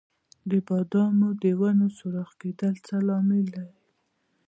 د بادامو د ونو سوراخ کیدل څه لامل لري؟